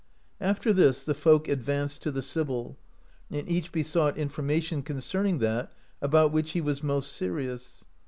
After this the folk advanced to the sibyl, and each besought information concerning that about which he w^as most serious.